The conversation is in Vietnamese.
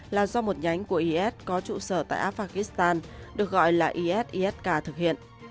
là do một nhánh của is có trụ sở tại afghanistan được gọi là is isk thực hiện